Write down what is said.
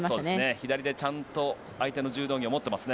左でちゃんと相手の柔道着を持っていますね。